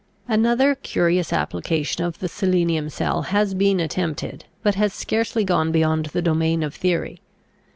Another curious application of the selenium cell has been attempted, but has scarcely gone beyond the domain of theory.